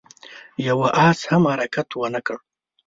يوه آس هم حرکت ونه کړ.